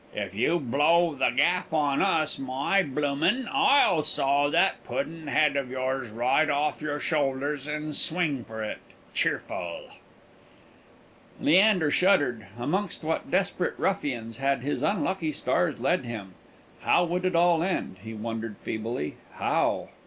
"If you blow the gaff on us, my bloomin', I'll saw that pudden head of yours right off your shoulders, and swing for it, cheerful!" Leander shuddered. Amongst what desperate ruffians had his unlucky stars led him! How would it all end, he wondered feebly how?